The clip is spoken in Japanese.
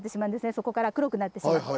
そこから黒くなってしまって。